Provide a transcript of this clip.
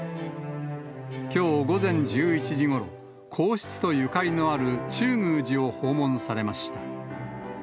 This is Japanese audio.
きょう午前１１時ごろ、皇室とゆかりのある中宮寺を訪問されました。